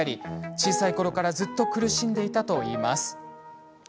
小さいころからずっと苦しんでいたといいます。